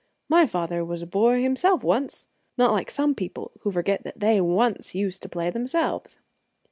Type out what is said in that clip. My father was a boy himself once, not like some people who forget that they once used to play themselves."